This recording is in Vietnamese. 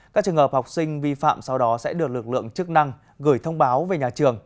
các trường hợp học sinh vi phạm sau đó sẽ được lực lượng chức năng gửi thông báo về nhà trường